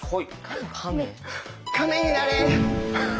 亀になれ！